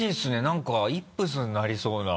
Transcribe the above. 何かイップスになりそうな。